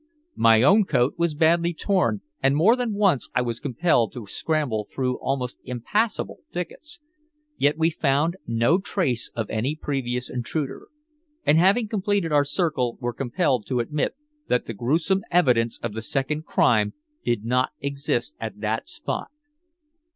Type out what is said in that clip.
My own coat was badly torn, and more than once I was compelled to scramble through almost impassable thickets; yet we found no trace of any previous intruder, and having completed our circle were compelled to admit that the gruesome evidence of the second crime did not exist at that spot.